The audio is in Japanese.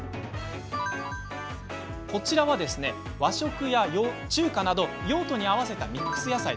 こちらは、和食や中華など用途に合わせたミックス野菜。